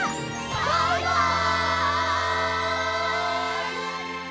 バイバイ！